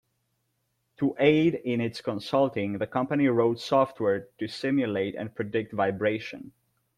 To aid in its consulting, the company wrote software to simulate and predict vibration.